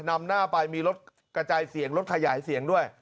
นำหน้าไปมีรถกระจายเสียงรถขยายเสียงด้วย